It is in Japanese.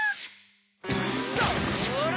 それ！